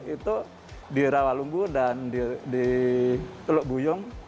itu di rawalumbu dan di teluk buyung